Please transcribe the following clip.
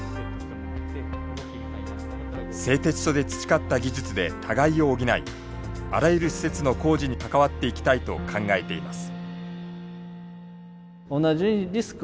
製鉄所で培った技術で互いを補いあらゆる施設の工事に関わっていきたいと考えています。